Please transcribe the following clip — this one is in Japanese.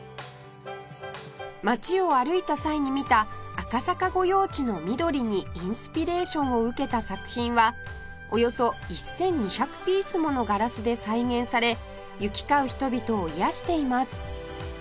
街を歩いた際に見た赤坂御用地の緑にインスピレーションを受けた作品はおよそ１２００ピースものガラスで再現され行き交う人々を癒やしています